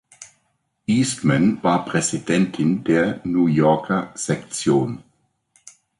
Eastman war Präsidentin der New Yorker Sektion.